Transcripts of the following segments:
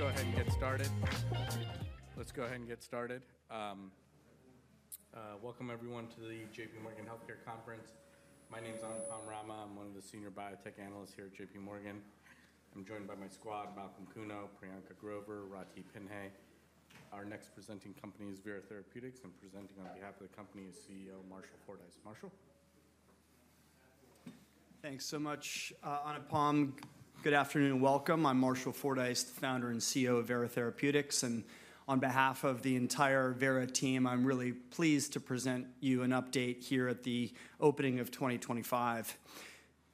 All right, let's go ahead and get started. Welcome, everyone, to the JPMorgan Healthcare Conference. My name's Anupam Rama. I'm one of the Senior Biotech Analysts here at JPMorgan. I'm joined by my squad: Malcolm Kuno, Priyanka Grover, [Ruhi Phiny]. Our next presenting company is Vera Therapeutics, and presenting on behalf of the company is CEO Marshall Fordyce. Marshall. Thanks so much, Anupam Rama. Good afternoon and welcome. I'm Marshall Fordyce, the founder and CEO of Vera Therapeutics, and on behalf of the entire Vera team, I'm really pleased to present you an update here at the opening of 2025.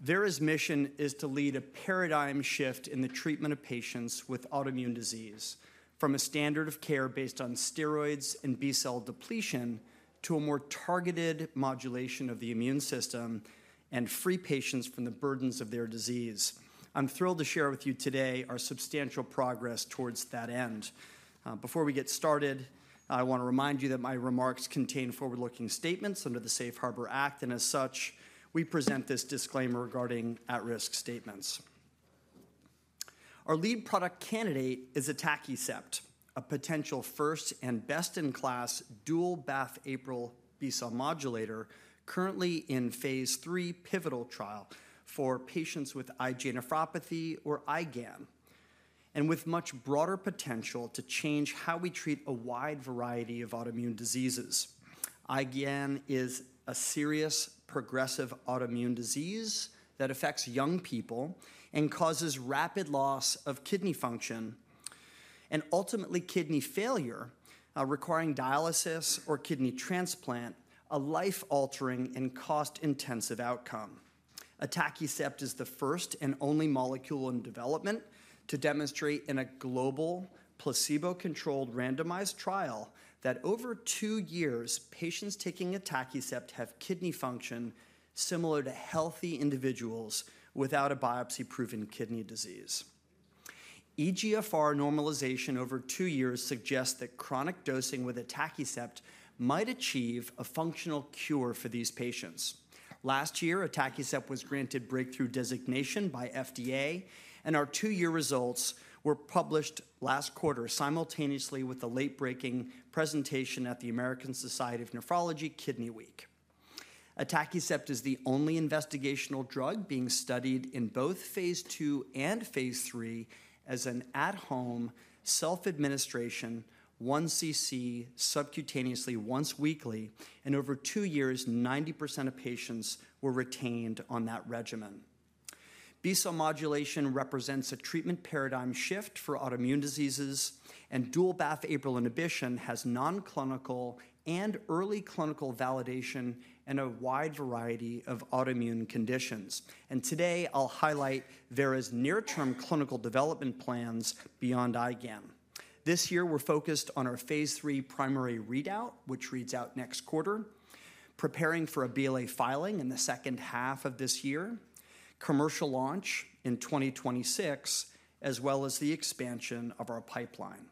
Vera's mission is to lead a paradigm shift in the treatment of patients with autoimmune disease, from a standard of care based on steroids and B-cell depletion to a more targeted modulation of the immune system and free patients from the burdens of their disease. I'm thrilled to share with you today our substantial progress towards that end. Before we get started, I want to remind you that my remarks contain forward-looking statements under the Safe Harbor Act, and as such, we present this disclaimer regarding at-risk statements. Our lead product candidate is Atacicept, a potential first and best-in-class dual BAFF/APRIL B-cell modulator, currently in phase III pivotal trial for patients with IgA nephropathy or IgAN, and with much broader potential to change how we treat a wide variety of autoimmune diseases. IgAN is a serious progressive autoimmune disease that affects young people and causes rapid loss of kidney function and ultimately kidney failure, requiring dialysis or kidney transplant, a life-altering and cost-intensive outcome. Atacicept is the first and only molecule in development to demonstrate in a global placebo-controlled randomized trial that over two years, patients taking Atacicept have kidney function similar to healthy individuals without a biopsy-proven kidney disease. eGFR normalization over two years suggests that chronic dosing with Atacicept might achieve a functional cure for these patients. Last year, Atacicept was granted breakthrough designation by FDA, and our two-year results were published last quarter, simultaneously with the late-breaking presentation at the American Society of Nephrology Kidney Week. Atacicept is the only investigational drug being studied in both phase II and phase III as an at-home self-administration, 1 cc subcutaneously once weekly, and over two years, 90% of patients were retained on that regimen. B-cell modulation represents a treatment paradigm shift for autoimmune diseases, and dual BAFF/APRIL inhibition has non-clinical and early clinical validation in a wide variety of autoimmune conditions, and today, I'll highlight Vera's near-term clinical development plans beyond IgAN. This year, we're focused on our phase III primary readout, which reads out next quarter, preparing for a BLA filing in the second half of this year, commercial launch in 2026, as well as the expansion of our pipeline.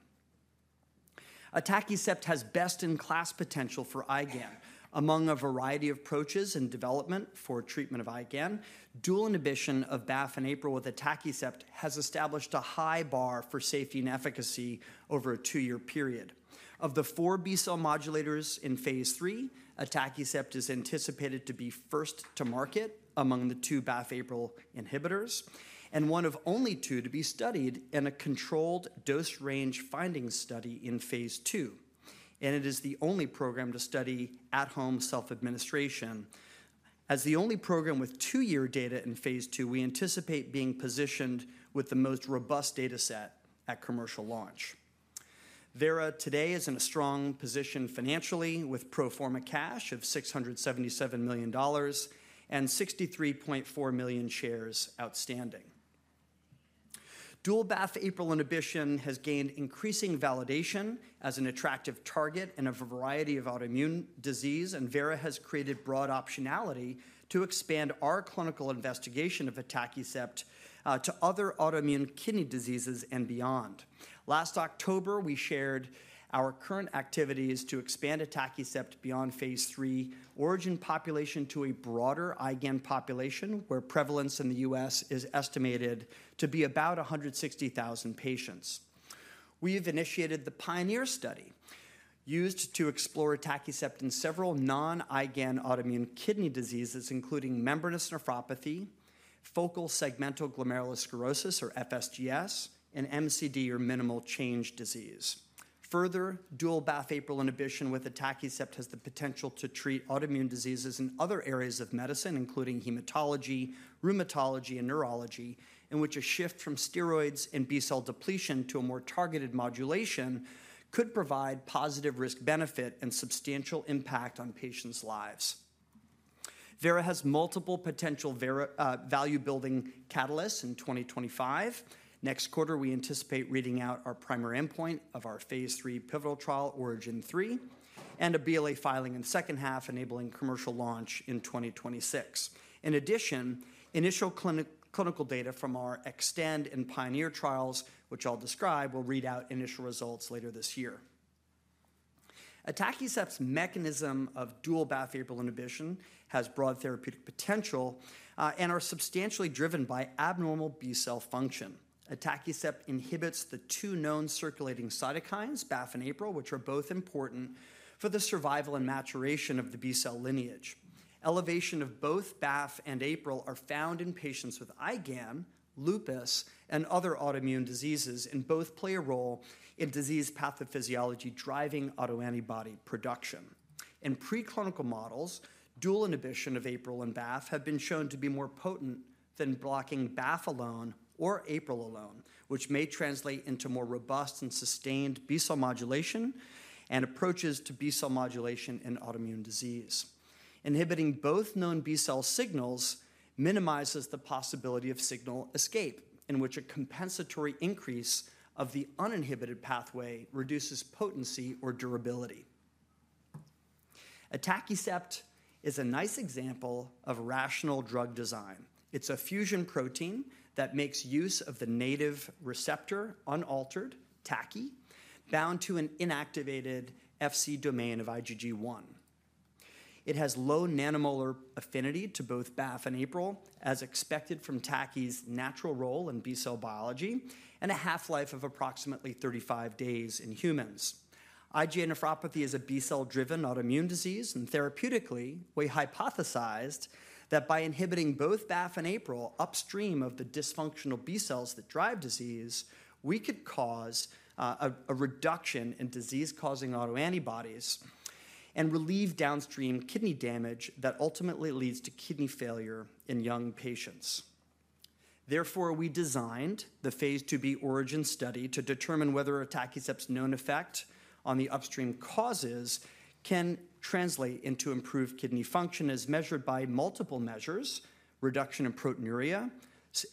Atacicept has best-in-class potential for IgAN. Among a variety of approaches and development for treatment of IgAN, dual inhibition of BAFF and APRIL with Atacicept has established a high bar for safety and efficacy over a two-year period. Of the four B-cell modulators in phase III, Atacicept is anticipated to be first to market among the two BAFF/APRIL inhibitors and one of only two to be studied in a controlled dose range finding study in phase II. It is the only program to study at-home self-administration. As the only program with two-year data in phase II, we anticipate being positioned with the most robust dataset at commercial launch. Vera today is in a strong position financially with pro forma cash of $677 million and 63.4 million shares outstanding. Dual BAFF/APRIL inhibition has gained increasing validation as an attractive target in a variety of autoimmune disease, and Vera has created broad optionality to expand our clinical investigation of Atacicept to other autoimmune kidney diseases and beyond. Last October, we shared our current activities to expand Atacicept beyond phase III ORIGIN population to a broader IgAN population, where prevalence in the U.S. is estimated to be about 160,000 patients. We have initiated the PIONEER study used to explore Atacicept in several non-IgAN autoimmune kidney diseases, including membranous nephropathy, focal segmental glomerulosclerosis, or FSGS, and MCD, or minimal change disease. Further, dual BAFF/APRIL inhibition with Atacicept has the potential to treat autoimmune diseases in other areas of medicine, including hematology, rheumatology, and neurology, in which a shift from steroids and B-cell depletion to a more targeted modulation could provide positive risk-benefit and substantial impact on patients' lives. Vera has multiple potential value-building catalysts in 2025. Next quarter, we anticipate reading out our primary endpoint of our phase III pivotal trial, ORIGIN 3, and a BLA filing in the second half, enabling commercial launch in 2026. In addition, initial clinical data from our EXTEND and PIONEER trials, which I'll describe, will read out initial results later this year. Atacicept's mechanism of dual BAFF/APRIL inhibition has broad therapeutic potential and are substantially driven by abnormal B-cell function. Atacicept inhibits the two known circulating cytokines, BAFF and APRIL, which are both important for the survival and maturation of the B-cell lineage. Elevation of both BAFF and APRIL are found in patients with IgAN, lupus, and other autoimmune diseases, and both play a role in disease pathophysiology driving autoantibody production. In preclinical models, dual inhibition of APRIL and BAFF have been shown to be more potent than blocking BAFF alone or APRIL alone, which may translate into more robust and sustained B-cell modulation and approaches to B-cell modulation in autoimmune disease. Inhibiting both known B-cell signals minimizes the possibility of signal escape, in which a compensatory increase of the uninhibited pathway reduces potency or durability. Atacicept is a nice example of rational drug design. It's a fusion protein that makes use of the native receptor, unaltered, TACI, bound to an inactivated Fc domain of IgG1. It has low nanomolar affinity to both BAFF and APRIL, as expected from TACI's natural role in B-cell biology, and a half-life of approximately 35 days in humans. IgA nephropathy is a B-cell-driven autoimmune disease, and therapeutically, we hypothesized that by inhibiting both BAFF and APRIL upstream of the dysfunctional B-cells that drive disease, we could cause a reduction in disease-causing autoantibodies and relieve downstream kidney damage that ultimately leads to kidney failure in young patients. Therefore, we designed the phase II-B ORIGIN study to determine whether atacicept's known effect on the upstream causes can translate into improved kidney function as measured by multiple measures: reduction in proteinuria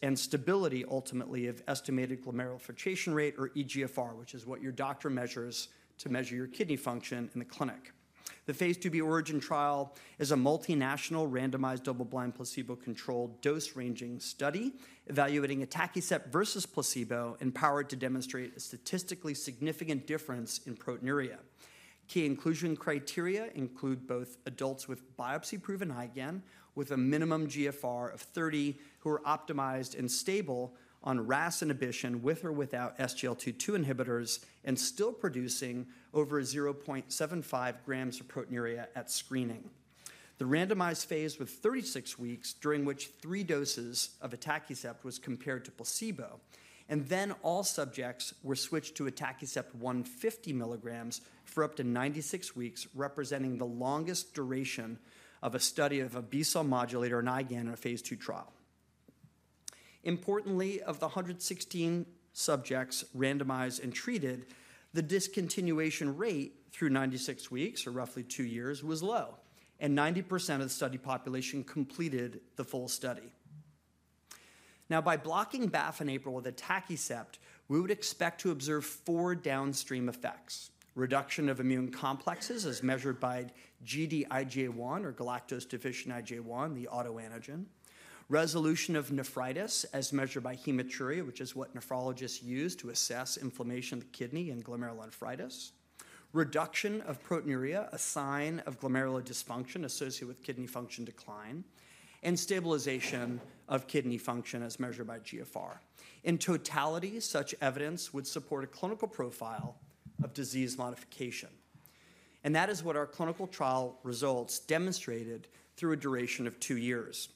and stability, ultimately, of estimated glomerular filtration rate, or eGFR, which is what your doctor measures to measure your kidney function in the clinic. The phase II-B ORIGIN trial is a multinational randomized double-blind placebo-controlled dose-ranging study evaluating atacicept versus placebo, empowered to demonstrate a statistically significant difference in proteinuria. Key inclusion criteria include both adults with biopsy-proven IgAN with a minimum GFR of 30 who are optimized and stable on RAS inhibition with or without SGLT2 inhibitors and still producing over 0.75 g of proteinuria at screening. The randomized phase was 36 weeks, during which three doses of atacicept were compared to placebo, and then all subjects were switched to atacicept 150 mg for up to 96 weeks, representing the longest duration of a study of a B-cell modulator and IgAN in a phase II trial. Importantly, of the 116 subjects randomized and treated, the discontinuation rate through 96 weeks, or roughly two years, was low, and 90% of the study population completed the full study. Now, by blocking BAFF and APRIL with Atacicept, we would expect to observe four downstream effects: reduction of immune complexes as measured by Gd-IgA1, or galactose-deficient IgA1, the autoantigen. Resolution of nephritis as measured by hematuria, which is what nephrologists use to assess inflammation of the kidney and glomerulonephritis. Reduction of proteinuria, a sign of glomerular dysfunction associated with kidney function decline. And stabilization of kidney function as measured by GFR. In totality, such evidence would support a clinical profile of disease modification. And that is what our clinical trial results demonstrated through a duration of two years.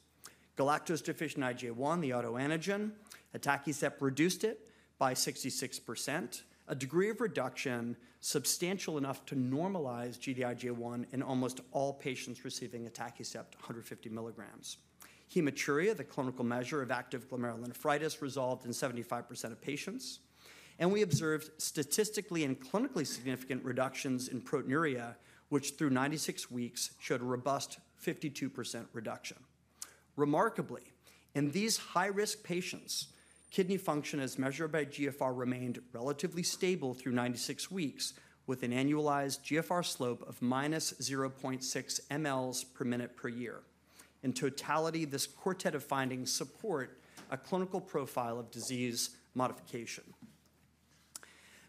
Galactose-deficient IgA1, the autoantigen. Atacicept reduced it by 66%, a degree of reduction substantial enough to normalize Gd-IgA1 in almost all patients receiving Atacicept 150 mgs. Hematuria, the clinical measure of active glomerulonephritis, resolved in 75% of patients. We observed statistically and clinically significant reductions in proteinuria, which through 96 weeks showed a robust 52% reduction. Remarkably, in these high-risk patients, kidney function as measured by GFR remained relatively stable through 96 weeks, with an annualized GFR slope of minus 0.6 mL/min/year. In totality, this quartet of findings supports a clinical profile of disease modification.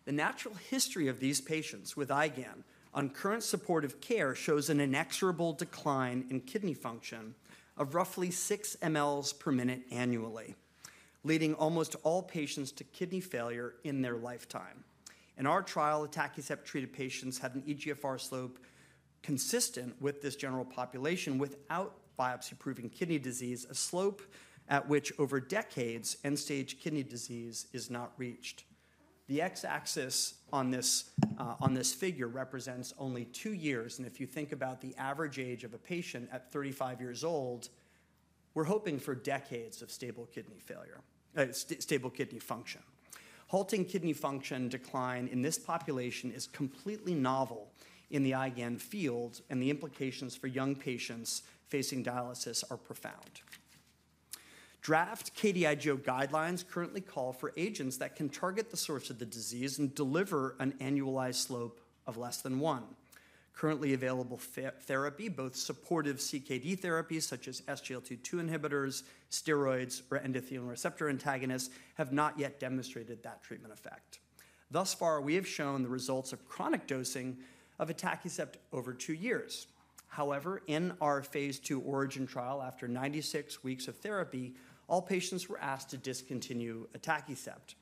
The natural history of these patients with IgAN on current supportive care shows an inexorable decline in kidney function of roughly 6 mL per minute annually, leading almost all patients to kidney failure in their lifetime. In our trial, Atacicept-treated patients had an eGFR slope consistent with this general population without biopsy-proven kidney disease, a slope at which over decades end-stage kidney disease is not reached. The x-axis on this figure represents only two years, and if you think about the average age of a patient at 35 years old, we're hoping for decades of stable kidney function. Halting kidney function decline in this population is completely novel in the IgAN field, and the implications for young patients facing dialysis are profound. Draft KDIGO guidelines currently call for agents that can target the source of the disease and deliver an annualized slope of less than one. Currently available therapy, both supportive CKD therapies such as SGLT2 inhibitors, steroids, or endothelin receptor antagonists, have not yet demonstrated that treatment effect. Thus far, we have shown the results of chronic dosing of Atacicept over two years. However, in our Phase II ORIGIN trial, after 96 weeks of therapy, all patients were asked to discontinue Atacicept.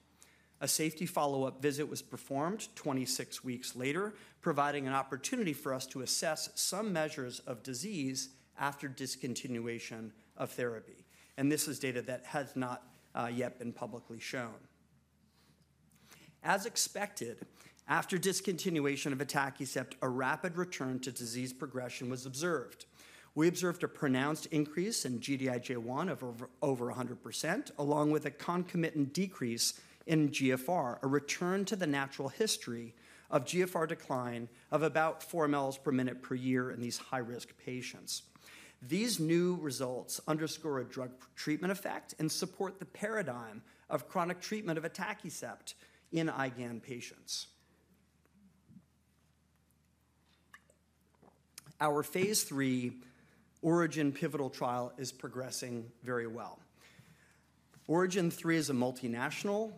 A safety follow-up visit was performed 26 weeks later, providing an opportunity for us to assess some measures of disease after discontinuation of therapy. This is data that has not yet been publicly shown. As expected, after discontinuation of atacicept, a rapid return to disease progression was observed. We observed a pronounced increase in Gd-IgA1 of over 100%, along with a concomitant decrease in eGFR, a return to the natural history of eGFR decline of about 4 mL/min/year in these high-risk patients. These new results underscore a drug treatment effect and support the paradigm of chronic treatment of atacicept in IgAN patients. Our phase III ORIGIN pivotal trial is progressing very well. ORIGIN 3 is a multinational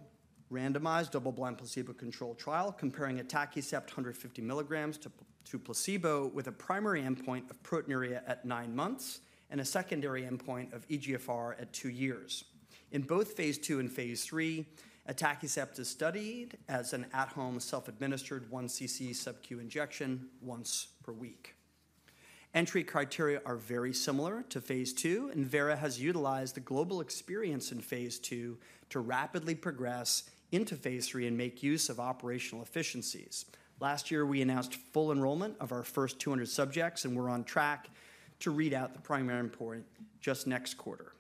randomized double-blind placebo-controlled trial comparing atacicept 150 mgs to placebo with a primary endpoint of proteinuria at nine months and a secondary endpoint of eGFR at two years. In both phase II and phase III, Atacicept is studied as an at-home self-administered 1 cc subcu injection once per week. Entry criteria are very similar to phase II, and Vera has utilized the global experience in phase II to rapidly progress into phase three and make use of operational efficiencies. Last year, we announced full enrollment of our first 200 subjects, and we're on track to read out the primary endpoint just next quarter.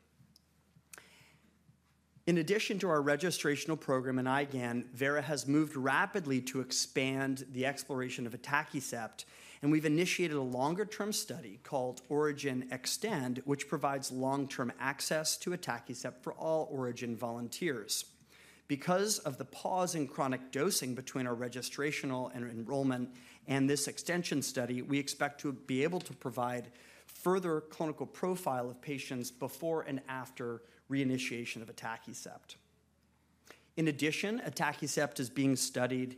In addition to our registrational program in IgAN, Vera has moved rapidly to expand the exploration of Atacicept, and we've initiated a longer-term study called ORIGIN Extend, which provides long-term access to Atacicept for all ORIGIN volunteers. Because of the pause in chronic dosing between our registrational and enrollment and this extension study, we expect to be able to provide further clinical profile of patients before and after reinitiation of Atacicept. In addition, Atacicept is being studied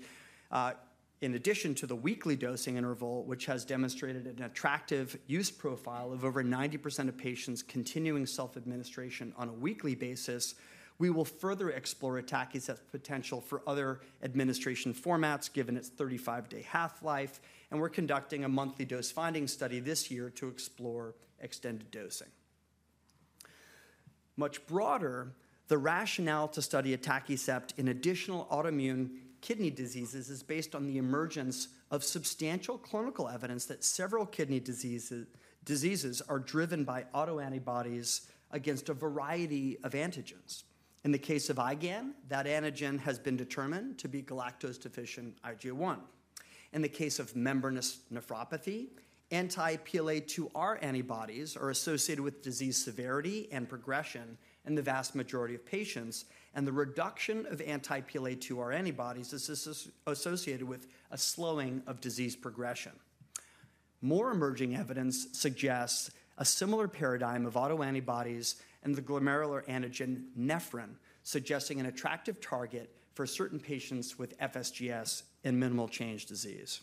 in addition to the weekly dosing interval, which has demonstrated an attractive use profile of over 90% of patients continuing self-administration on a weekly basis. We will further explore Atacicept's potential for other administration formats, given its 35-day half-life, and we're conducting a monthly dose-finding study this year to explore extended dosing. Much broader, the rationale to study Atacicept in additional autoimmune kidney diseases is based on the emergence of substantial clinical evidence that several kidney diseases are driven by autoantibodies against a variety of antigens. In the case of IgAN, that antigen has been determined to be galactose-deficient IgA1. In the case of membranous nephropathy, anti-PLA2R antibodies are associated with disease severity and progression in the vast majority of patients, and the reduction of anti-PLA2R antibodies is associated with a slowing of disease progression. More emerging evidence suggests a similar paradigm of autoantibodies and the glomerular antigen nephrin, suggesting an attractive target for certain patients with FSGS and minimal change disease.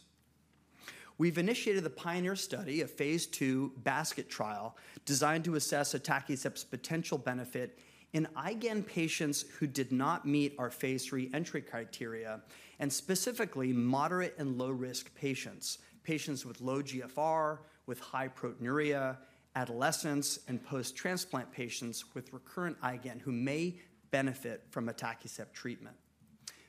We've initiated the PIONEER study of phase II basket trial designed to assess Atacicept's potential benefit in IgAN patients who did not meet our phase three entry criteria, and specifically moderate and low-risk patients: patients with low eGFR, with high proteinuria, adolescents, and post-transplant patients with recurrent IgAN who may benefit from Atacicept treatment.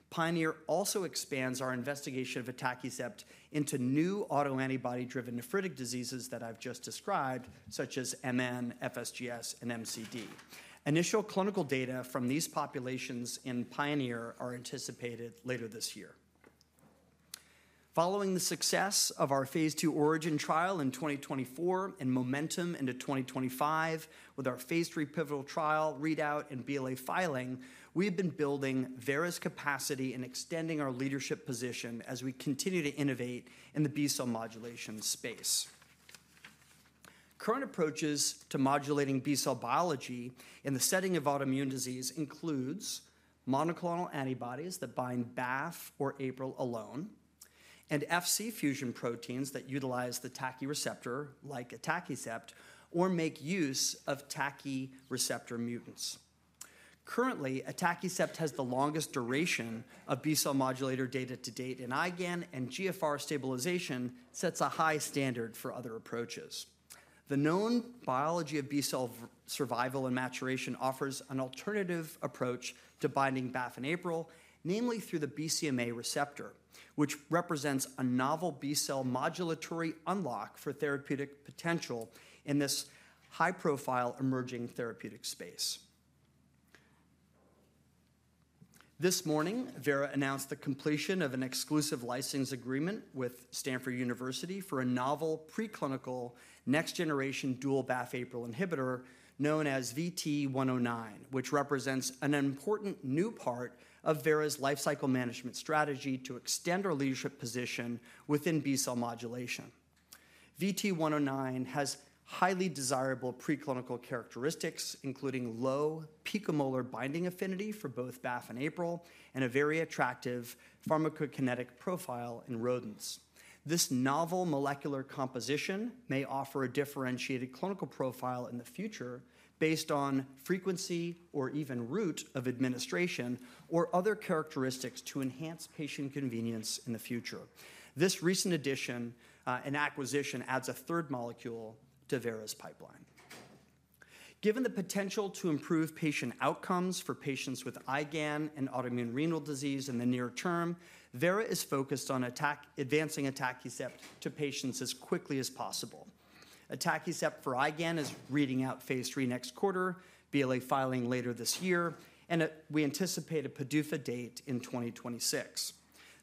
PIONEER also expands our investigation of Atacicept into new autoantibody-driven nephritic diseases that I've just described, such as MN, FSGS, and MCD. Initial clinical data from these populations in PIONEER are anticipated later this year. Following the success of our phase II ORIGIN trial in 2024 and momentum into 2025 with our phase III pivotal trial readout and BLA filing, we have been building Vera's capacity and extending our leadership position as we continue to innovate in the B-cell modulation space. Current approaches to modulating B-cell biology in the setting of autoimmune disease include monoclonal antibodies that bind BAFF or APRIL alone, and Fc fusion proteins that utilize the TACI receptor, like Atacicept or make use of TACI receptor mutants. Currently, Atacicept has the longest duration of B-cell modulator data to date, and IgAN and eGFR stabilization sets a high standard for other approaches. The known biology of B-cell survival and maturation offers an alternative approach to binding BAFF and APRIL, namely through the BCMA receptor, which represents a novel B-cell modulatory unlock for therapeutic potential in this high-profile emerging therapeutic space. This morning, Vera announced the completion of an exclusive license agreement with Stanford University for a novel preclinical next-generation dual BAFF/APRIL inhibitor known as VT109, which represents an important new part of Vera's lifecycle management strategy to extend our leadership position within B-cell modulation. VT109 has highly desirable preclinical characteristics, including low picomolar binding affinity for both BAFF and APRIL, and a very attractive pharmacokinetic profile in rodents. This novel molecular composition may offer a differentiated clinical profile in the future based on frequency or even route of administration or other characteristics to enhance patient convenience in the future. This recent addition and acquisition adds a third molecule to Vera's pipeline. Given the potential to improve patient outcomes for patients with IgAN and autoimmune renal disease in the near term, Vera is focused on advancing atacicept to patients as quickly as possible. Atacicept for IgAN is reading out phase III next quarter, BLA filing later this year, and we anticipate a PDUFA date in 2026.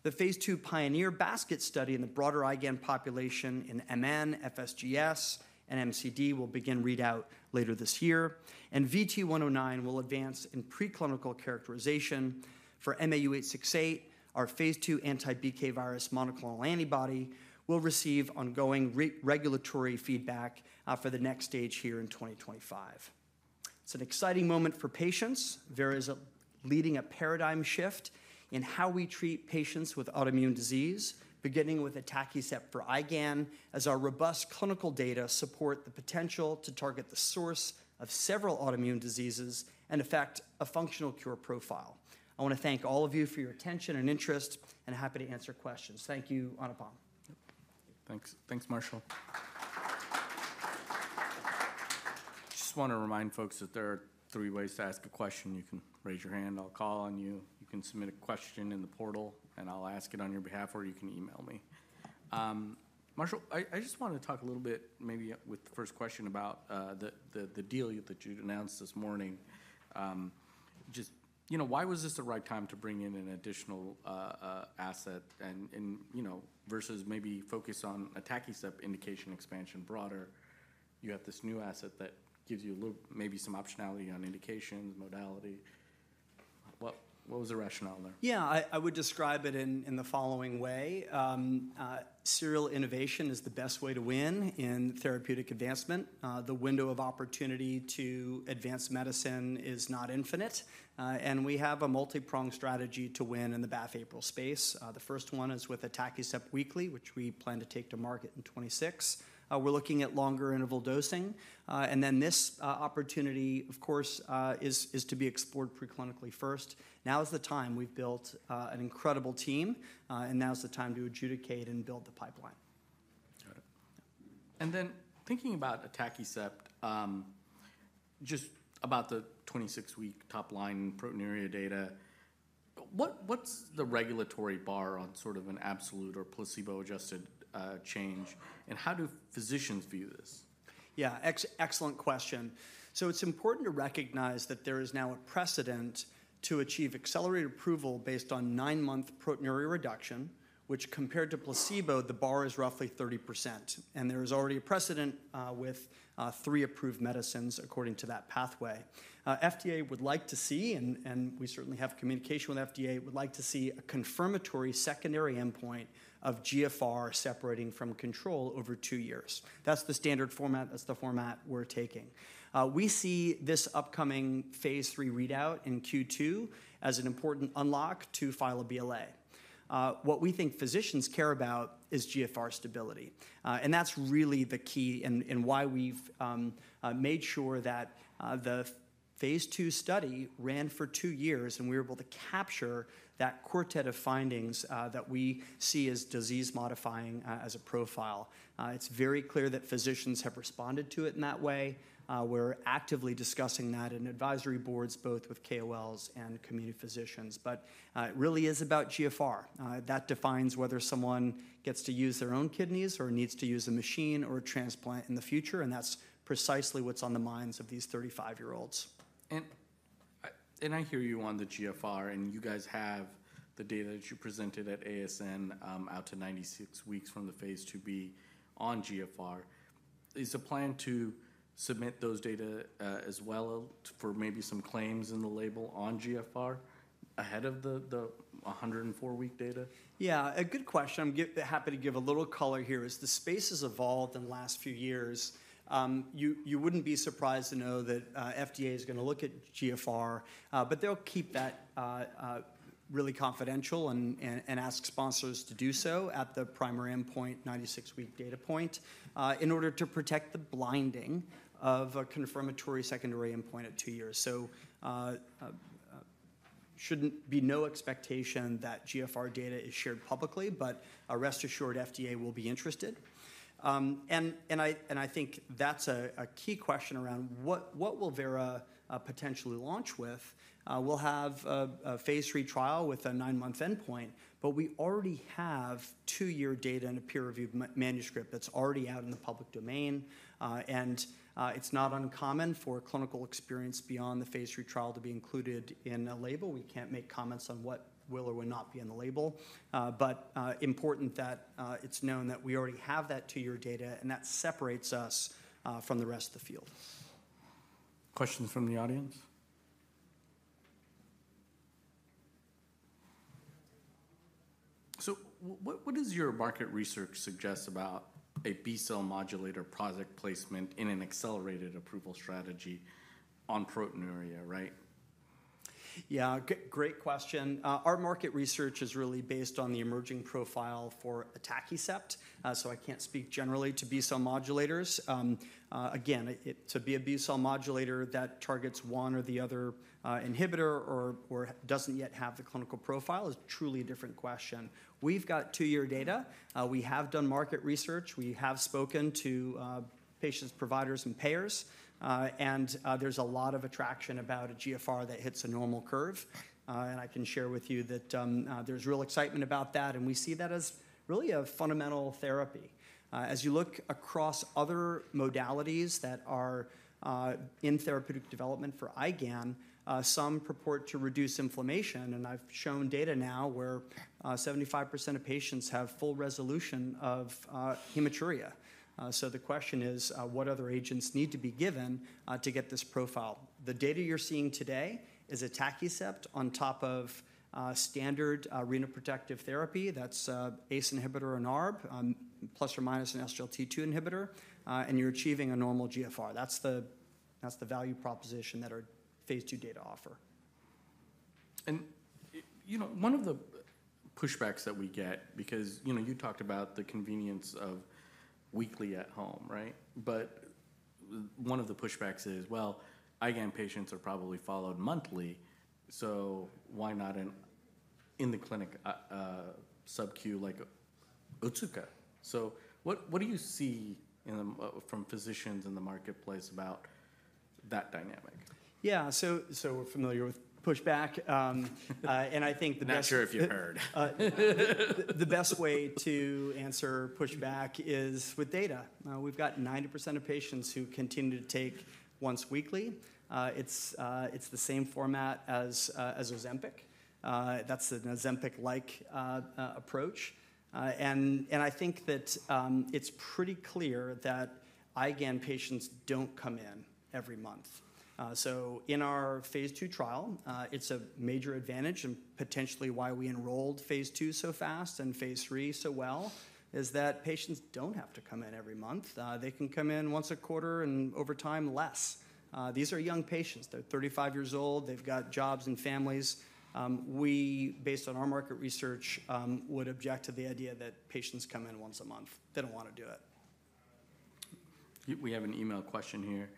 The phase II PIONEER basket study in the broader IgAN population in MN, FSGS, and MCD will begin readout later this year, and VT109 will advance in preclinical characterization for MAU868, our phase II anti-BK virus monoclonal antibody. We'll receive ongoing regulatory feedback for the next stage here in 2025. It's an exciting moment for patients. Vera is leading a paradigm shift in how we treat patients with autoimmune disease, beginning with Atacicept for IgAN, as our robust clinical data support the potential to target the source of several autoimmune diseases and affect a functional cure profile. I want to thank all of you for your attention and interest, and happy to answer questions. Thank you, Anupam. Thanks, Marshall. Just want to remind folks that there are three ways to ask a question. You can raise your hand. I'll call on you. You can submit a question in the portal, and I'll ask it on your behalf, or you can email me. Marshall, I just want to talk a little bit, maybe with the first question about the deal that you announced this morning. Just, why was this the right time to bring in an additional asset versus maybe focus on Atacicept indication expansion broader? You have this new asset that gives you maybe some optionality on indications, modality. What was the rationale there? Yeah, I would describe it in the following way. Serial innovation is the best way to win in therapeutic advancement. The window of opportunity to advance medicine is not infinite, and we have a multi-pronged strategy to win in the BAFF-APRIL space. The first one is with Atacicept weekly, which we plan to take to market in 2026. We're looking at longer interval dosing, and then this opportunity, of course, is to be explored preclinically first. Now is the time. We've built an incredible team, and now is the time to adjudicate and build the pipeline. Got it. And then thinking about Atacicept, just about the 26-week top-line proteinuria data, what's the regulatory bar on sort of an absolute or placebo-adjusted change, and how do physicians view this? Yeah, excellent question. So it's important to recognize that there is now a precedent to achieve accelerated approval based on nine-month proteinuria reduction, which compared to placebo, the bar is roughly 30%, and there is already a precedent with three approved medicines according to that pathway. FDA would like to see, and we certainly have communication with FDA, would like to see a confirmatory secondary endpoint of GFR separating from control over two years. That's the standard format. That's the format we're taking. We see this upcoming phase III readout in Q2 as an important unlock to file a BLA. What we think physicians care about is GFR stability, and that's really the key and why we've made sure that the phase II study ran for two years, and we were able to capture that quartet of findings that we see as disease-modifying as a profile. It's very clear that physicians have responded to it in that way. We're actively discussing that in advisory boards, both with KOLs and community physicians, but it really is about GFR.That defines whether someone gets to use their own kidneys or needs to use a machine or a transplant in the future, and that's precisely what's on the minds of these 35-year-olds. I hear you on the GFR, and you guys have the data that you presented at ASN out to 96 weeks from the phase II-B on GFR. Is the plan to submit those data as well for maybe some claims in the label on GFR ahead of the 104-week data? Yeah, a good question. I'm happy to give a little color here. As the space has evolved in the last few years, you wouldn't be surprised to know that FDA is going to look at eGFR, but they'll keep that really confidential and ask sponsors to do so at the primary endpoint, 96-week data point, in order to protect the blinding of a confirmatory secondary endpoint at two years, so shouldn't be no expectation that eGFR data is shared publicly, but rest assured, FDA will be interested, and I think that's a key question around what will Vera potentially launch with. We'll have a phase III trial with a nine-month endpoint, but we already have two-year data in a peer-reviewed manuscript that's already out in the public domain, and it's not uncommon for clinical experience beyond the phase III trial to be included in a label. We can't make comments on what will or will not be in the label, but it's important that it's known that we already have that two-year data, and that separates us from the rest of the field. Questions from the audience? So what does your market research suggest about a B-cell modulator project placement in an accelerated approval strategy on proteinuria, right? Yeah, great question. Our market research is really based on the emerging profile for Atacicept, so I can't speak generally to B-cell modulators. Again, to be a B-cell modulator that targets one or the other inhibitor or doesn't yet have the clinical profile is truly a different question. We've got two-year data. We have done market research. We have spoken to patients, providers, and payers, and there's a lot of attraction about a GFR that hits a normal curve, and I can share with you that there's real excitement about that, and we see that as really a fundamental therapy. As you look across other modalities that are in therapeutic development for IgAN, some purport to reduce inflammation, and I've shown data now where 75% of patients have full resolution of hematuria. So the question is, what other agents need to be given to get this profile? The data you're seeing today is atacicept on top of standard renoprotective therapy. That's ACE inhibitor and ARB, ± an SGLT2 inhibitor, and you're achieving a normal GFR. That's the value proposition that our phase 2 data offer, And one of the pushbacks that we get, because you talked about the convenience of weekly at home, right? One of the pushbacks is, well, IgAN patients are probably followed monthly, so why not in the clinic sub-Q like Otsuka? So what do you see from physicians in the marketplace about that dynamic? Yeah, so we're familiar with pushback, and I think the best. I'm not sure if you heard. The best way to answer pushback is with data. We've got 90% of patients who continue to take once weekly. It's the same format as Ozempic. That's an Ozempic-like approach, and I think that it's pretty clear that IgAN patients don't come in every month. So in our phase II trial, it's a major advantage and potentially why we enrolled phase II so fast and phase III so well, is that patients don't have to come in every month. They can come in once a quarter and over time less. These are young patients. They're 35 years old. They've got jobs and families. We, based on our market research, would object to the idea that patients come in once a month. They don't want to do it. We have an email question here,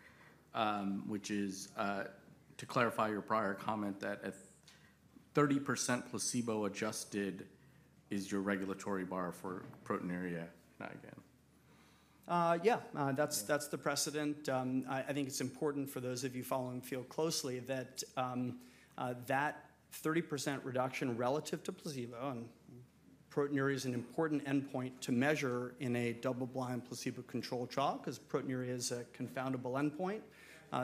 which is to clarify your prior comment that at 30% placebo-adjusted is your regulatory bar for proteinuria in IgAN. Yeah, that's the precedent. I think it's important for those of you following Vera closely that that 30% reduction relative to placebo, and proteinuria is an important endpoint to measure in a double-blind placebo-controlled trial because proteinuria is a confoundable endpoint.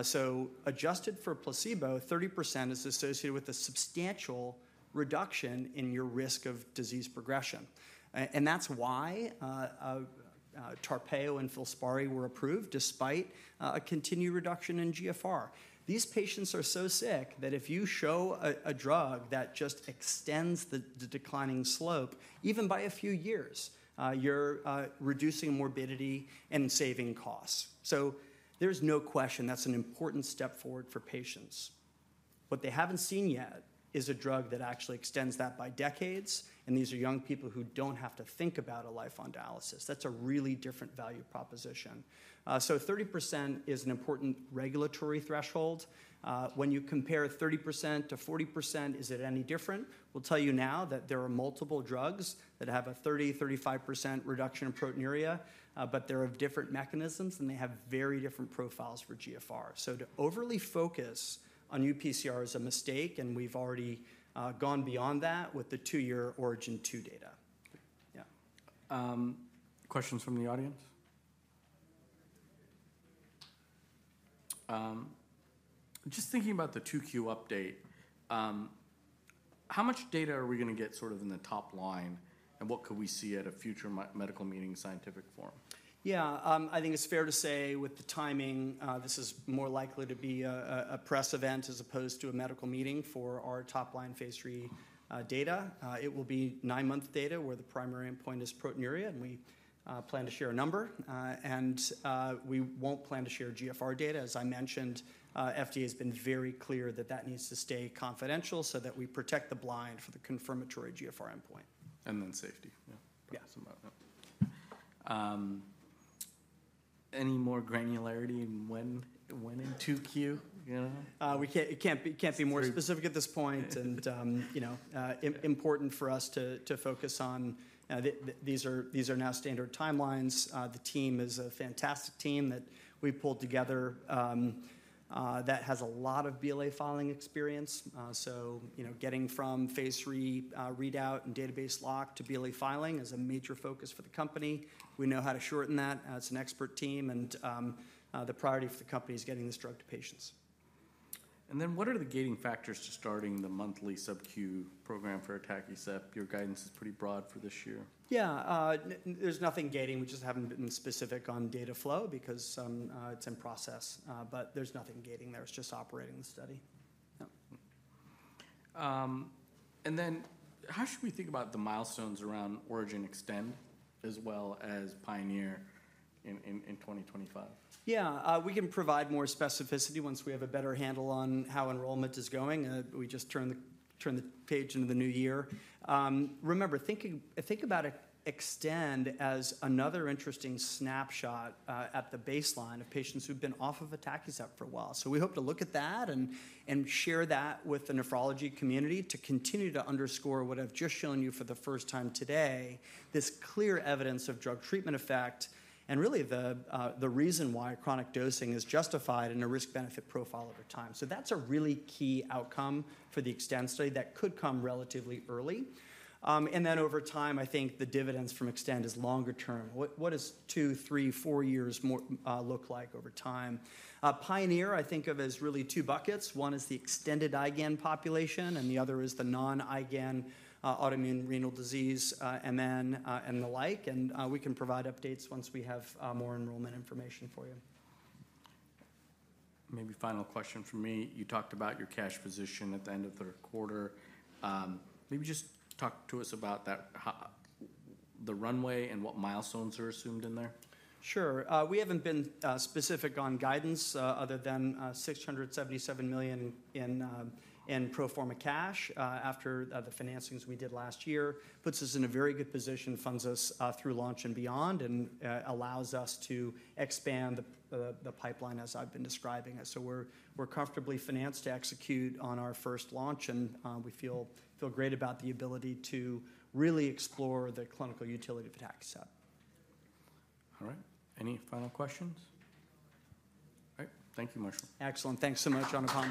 So adjusted for placebo, 30% is associated with a substantial reduction in your risk of disease progression, and that's why Tarpeo and Filspari were approved despite a continued reduction in GFR. These patients are so sick that if you show a drug that just extends the declining slope even by a few years, you're reducing morbidity and saving costs. So there's no question that's an important step forward for patients. What they haven't seen yet is a drug that actually extends that by decades, and these are young people who don't have to think about a life on dialysis. That's a really different value proposition. So 30% is an important regulatory threshold. When you compare 30%-40%, is it any different? We'll tell you now that there are multiple drugs that have a 30%-35% reduction in proteinuria, but they're of different mechanisms, and they have very different profiles for GFR. So to overly focus on UPCR is a mistake, and we've already gone beyond that with the two-year ORIGIN Two data. Yeah. Questions from the audience? Just thinking about the 2Q update, how much data are we going to get sort of in the top-line, and what could we see at a future medical meeting scientific forum? Yeah, I think it's fair to say with the timing, this is more likely to be a press event as opposed to a medical meeting for our top-line phase III data. It will be nine-month data where the primary endpoint is proteinuria, and we plan to share a number, and we won't plan to share GFR data. As I mentioned, FDA has been very clear that that needs to stay confidential so that we protect the blind for the confirmatory GFR endpoint. And then safety. Yeah. Any more granularity when in- 2Q. We can't be more specific at this point, and important for us to focus on. These are now standard timelines. The team is a fantastic team that we pulled together that has a lot of BLA filing experience, so getting from phase III readout and database lock to BLA filing is a major focus for the company. We know how to shorten that. It's an expert team, and the priority for the company is getting this drug to patients. And then what are the gating factors to starting the monthly sub-Q program for Atacicept? Your guidance is pretty broad for this year. Yeah, there's nothing gating. We just haven't been specific on data flow because it's in process, but there's nothing gating there. It's just operating the study. And then how should we think about the milestones around ORIGIN Extend as well as PIONEER in 2025? Yeah, we can provide more specificity once we have a better handle on how enrollment is going. We just turned the page into the new year. Remember, think about Extend as another interesting snapshot at the baseline of patients who've been off of Atacicept for a while. So we hope to look at that and share that with the nephrology community to continue to underscore what I've just shown you for the first time today, this clear evidence of drug treatment effect, and really the reason why chronic dosing is justified in a risk-benefit profile over time. So that's a really key outcome for the Extend study that could come relatively early. And then over time, I think the dividends from Extend is longer term. What does two, three, four years look like over time? PIONEER, I think of as really two buckets. One is the extended IgAN population, and the other is the non-IgAN autoimmune renal disease MN and the like, and we can provide updates once we have more enrollment information for you. Maybe final question from me. You talked about your cash position at the end of the quarter. Maybe just talk to us about the runway and what milestones are assumed in there. Sure. We haven't been specific on guidance other than $677 million in pro forma cash after the financings we did last year. It puts us in a very good position, funds us through launch and beyond, and allows us to expand the pipeline as I've been describing it. So we're comfortably financed to execute on our first launch, and we feel great about the ability to really explore the clinical utility of atacicept. All right. Any final questions? All right. Thank you, Marshall. Excellent. Thanks so much, Anupam